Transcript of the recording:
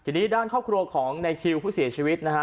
ทีนี้ด้านครอบครัวของในคิวผู้เสียชีวิตนะฮะ